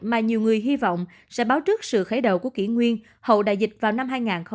mà nhiều người hy vọng sẽ báo trước sự khởi đầu của kỷ nguyên hậu đại dịch vào năm hai nghìn hai mươi